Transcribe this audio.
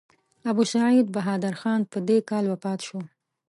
ابوسعید بهادر خان په دې کال وفات شو.